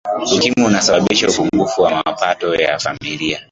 ukimwi unasababisha upungufu wa mapato ya familia